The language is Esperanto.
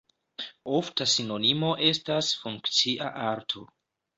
Ofta sinonimo estas funkcia arto.